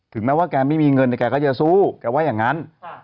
แม้ว่าแกไม่มีเงินแกก็จะสู้แกว่าอย่างนั้น